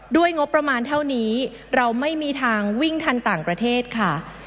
งบประมาณเท่านี้เราไม่มีทางวิ่งทันต่างประเทศค่ะ